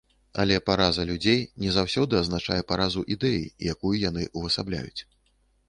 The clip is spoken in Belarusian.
Але параза людзей не заўсёды азначае паразу ідэі, якую яны ўвасабляюць.